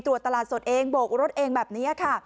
ตลาดสดเองโบกรถเองแบบนี้ค่ะ